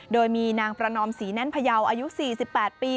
โดยมีนางประนอมศรีแน่นพยาวอายุ๔๘ปี